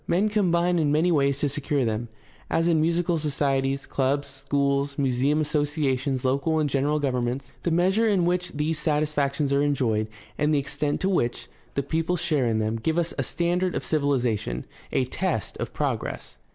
Men combine in many ways to secure them, as in musical societies, clubs, schools, museum associations, local and general govern ments. The measure in which these satisfactions are enjoyed and the extent to which the people share in them give us a standard of civilization, a test of progress.